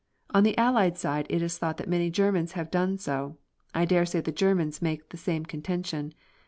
On the Allied side it is thought that many Germans have done so; I daresay the Germans make the same contention.